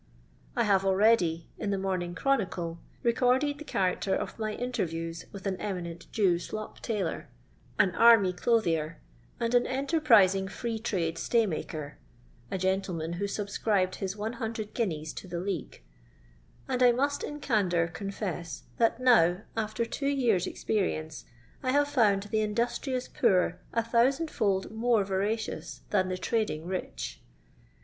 I have already, in the Mominy Chronicle, recorded the character of my interviews with an eminent Jew slop tailor, an LONDON LABOUR AND THE LONDON POOR. 160 •nny dotbier, and an enterpriting firee tiado ttay maker (a gentleman who aabscribed his 100 guineas to the League), and I mast in candoor confess that now, luter two years' experience, I hare found the industrious poor a thousand fold more veracious than the trading rich.